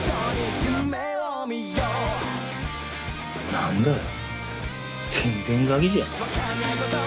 なんだよ全然ガキじゃん。